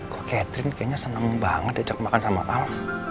kok catherine kayaknya seneng banget diajak makan sama al